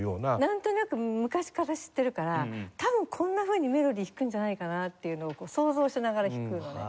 なんとなく昔から知ってるから多分こんなふうにメロディー弾くんじゃないかなっていうのを想像しながら弾くのね。